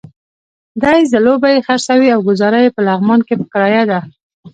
دی ځلوبۍ خرڅوي او ګوزاره یې په لغمان کې په کرايه ده.